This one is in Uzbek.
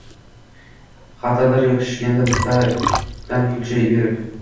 — Har tandir yopishingda bittadan kulcha berib